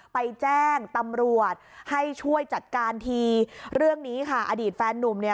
ไปแจ้งตำรวจให้ช่วยจัดการทีเรื่องนี้ค่ะอดีตแฟนนุ่มเนี่ย